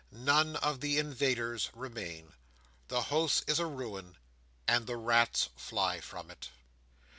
None of the invaders remain. The house is a ruin, and the rats fly from it.